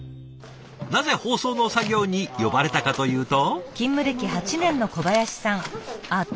なぜ包装の作業に呼ばれたかというと。